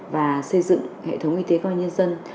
và xây dựng hệ thống y tế qua nhân dân